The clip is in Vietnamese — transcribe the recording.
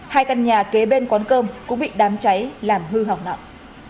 hai căn nhà kế bên quán cơm cũng bị đám cháy làm hư hỏng nặng